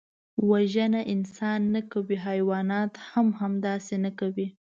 وژنه انسان نه کوي، حیوانات هم داسې نه کوي